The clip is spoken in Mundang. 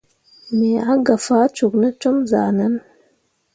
Me ah gah faa cok ne com zahʼnanne.